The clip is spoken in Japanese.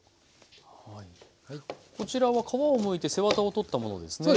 こちらは皮をむいて背ワタを取ったものですね。